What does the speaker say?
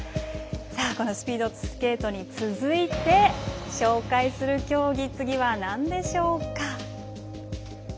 このスピードスケートに続いて紹介する競技次はなんでしょうか？